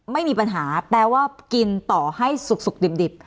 ไม่มีปัญหาแปลว่ากินต่อให้สุกดิบ